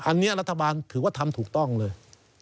อันนี้รัฐบาลถือว่าทำถูกต้องเลย